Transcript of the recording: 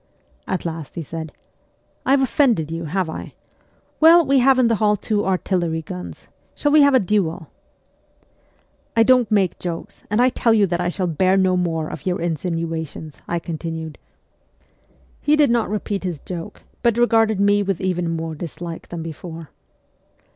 At last he said, ' I have offendedjyou, have I? Well, we have in the hall two artillery guns : shall we have a duel ?'' I don't make jokes, and I tell you that I shall bear no more of your insinuations,' I continued. 94 MEMOIRS OF A REVOLUTIONIST He did not repeat his joke, but regarded me with even more dislike than before.